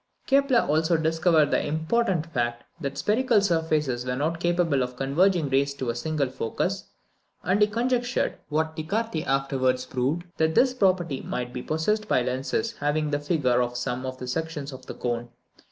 Kepler also discovered the important fact, that spherical surfaces were not capable of converging rays to a single focus, and he conjectured, what Descartes afterwards proved, that this property might be possessed by lenses having the figure of some of the sections of the cone.